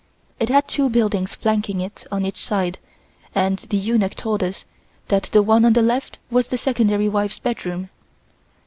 It had two buildings flanking it on each side and the eunuch told us that the one on the left was the Secondary Wife's bedroom.